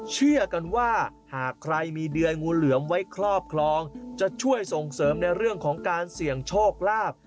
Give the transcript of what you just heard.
เชื่อกันว่าหากใครมีเดือยงูเหลือมไว้ครอบครองจะช่วยส่งเสริมในเรื่องของการเสี่ยงโชคลาภ